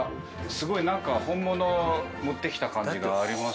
すごい何か本物を持ってきた感じがあります。